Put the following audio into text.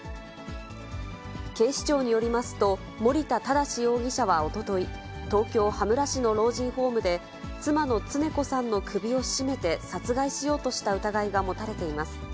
警視庁によりますと、森田良容疑者はおととい、東京・羽村市の老人ホームで、妻の常子さんの首を絞めて殺害しようとした疑いが持たれています。